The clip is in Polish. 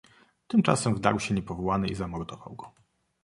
"Tymczasem wdarł się niepowołany i zamordował go."